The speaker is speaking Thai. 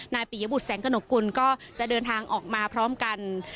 ปิยบุตรแสงกระหนกกุลก็จะเดินทางออกมาพร้อมกัน